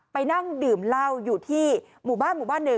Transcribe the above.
ไปนั่งดื่มเหล้าอยู่ที่หมู่บ้าน๑